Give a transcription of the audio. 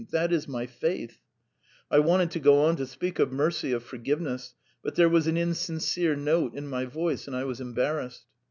That is my faith!" I wanted to go on to speak of mercy, of forgiveness, but there was an insincere note in my voice, and I was embarrassed.